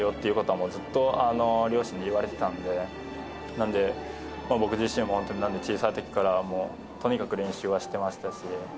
なので僕自身も本当に小さい時からとにかく練習はしてましたし。